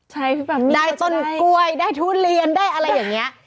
ใช่พี่แปมมี่ได้ต้นกล้วยได้ทุเรียนได้อะไรอย่างนี้